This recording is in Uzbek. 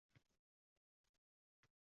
Va arslonga qo‘shilib qolgan.